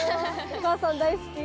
お母さん大好き？